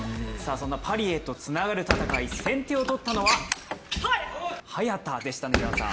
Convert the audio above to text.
パリへとつながる戦い、先手を取ったのは早田でしたね。